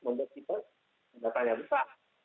menurut kita tidak tanya besar